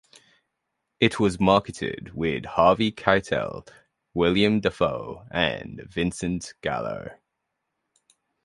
It is marketed with Harvey Keitel, Willem Dafoe and Vincent Gallo.